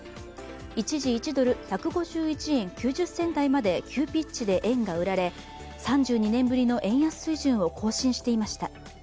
一時１ドル＝１５１円９０銭まで急ピッチで円が売られ、３２年ぶりの円安水準を更新していました。